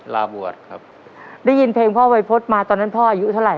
ลาบวชครับได้ยินเพลงพ่อวัยพฤษมาตอนนั้นพ่ออายุเท่าไห